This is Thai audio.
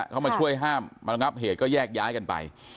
เข้ามาช่วยห้ามมาระงับเหตุก็แยกย้ายกันไป